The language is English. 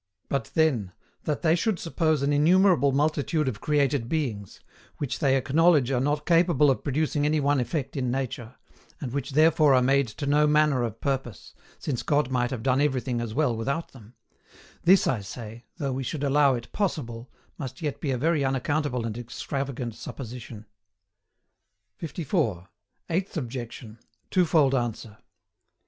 But then, that they should suppose an innumerable multitude of created beings, which they acknowledge are not capable of producing any one effect in nature, and which therefore are made to no manner of purpose, since God might have done everything as well without them: this I say, though we should allow it possible, must yet be a very unaccountable and extravagant supposition. 54. EIGHTH OBJECTION. TWOFOLD ANSWER.